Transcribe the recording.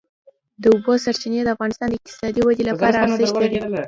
د اوبو سرچینې د افغانستان د اقتصادي ودې لپاره ارزښت لري.